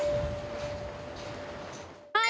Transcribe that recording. はい。